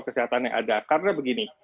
kesehatan yang ada karena begini